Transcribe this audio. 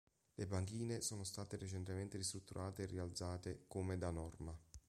Le banchine sono state recentemente ristrutturate e rialzate come da norma.